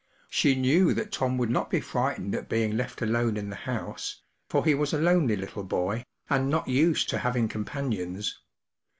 She knew that Tom would not be frightened at being left alone in the house, for he was a lonely little hoy, and not used to having companions.